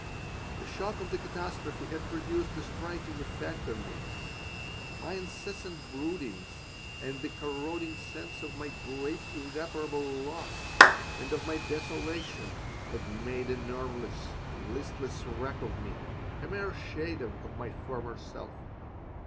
The shock of the catastrophe had produced a striking effect on me. My incessant broodings, and the corroding sense of my great irreparable loss and of my desolation had made a nerveless, listless wreck of me, a mere shadow of my former self.